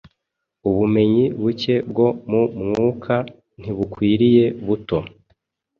Ubumenyi buke bwo mu mwuka ntibukwiriye buto